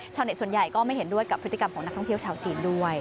ส่วนใหญ่ก็ไม่เห็นด้วยกับพฤติกรรมของนักท่องเที่ยวชาวจีนด้วย